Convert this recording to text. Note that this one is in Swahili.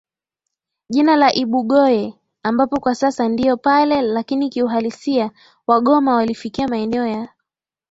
jina la Ibugoye ambapo kwa sasa ndio pale Lakini Kiuhalisia Wagoma walifikia Maeneo ya